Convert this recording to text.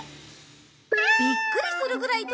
びっくりするぐらいとれたんだ。